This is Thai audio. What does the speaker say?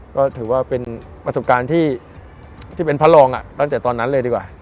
ก็ถือว่าเป็นประสบการณ์ที่เป็นพระรองตั้งแต่ตอนนั้นเลยดีกว่า